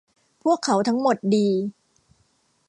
พวกเขาทั้งหมดดี